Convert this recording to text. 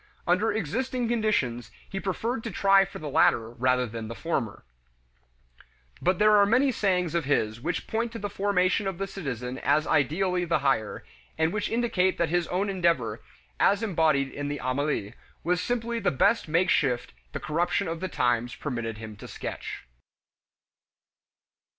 Under existing conditions, he preferred to try for the latter rather than for the former. But there are many sayings of his which point to the formation of the citizen as ideally the higher, and which indicate that his own endeavor, as embodied in the Emile, was simply the best makeshift the corruption of the times permitted him to sketch.